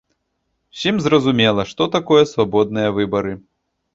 Усім зразумела, што такое свабодныя выбары.